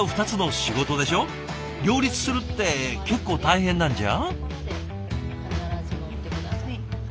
両立するって結構大変なんじゃ？